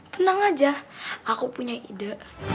tenang aja aku punya ide